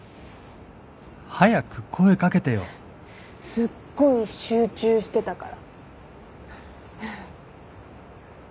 すっごい集中してたから。